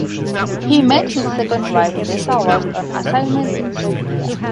He met his second wife, Desa, whilst on assignment in Serbia.